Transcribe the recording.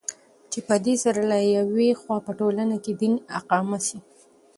چې پدي سره له يوې خوا په ټولنه كې دين اقامه سي